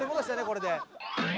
これで。